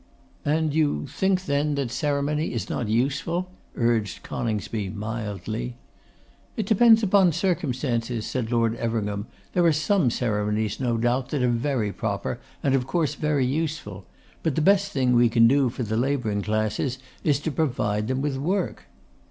'And you think then that ceremony is not useful?' urged Coningsby, mildly. 'It depends upon circumstances,' said Lord Everingham. 'There are some ceremonies, no doubt, that are very proper, and of course very useful. But the best thing we can do for the labouring classes is to provide them with work.